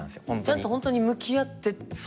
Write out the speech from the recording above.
ちゃんと本当に向き合ってやらないと。